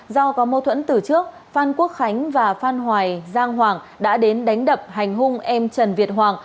do có mâu thuẫn từ trước phan quốc khánh và phan hoài giang hoàng đã đến đánh đập hành hung em trần việt hoàng